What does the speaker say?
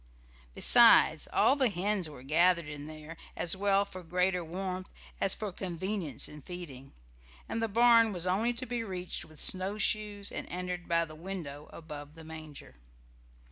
Besides, all the hens were gathered in there, as well for greater warmth as for convenience in feeding, and the barn was only to be reached with snowshoes and entered by the window above the manger.